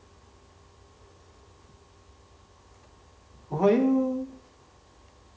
おはよう。